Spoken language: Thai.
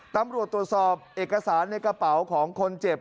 ตำรวจตรวจสอบเอกสารในกระเป๋าของคนเจ็บ